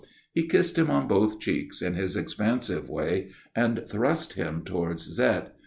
He kissed him on both cheeks, in his expansive way, and thrust him towards Zette.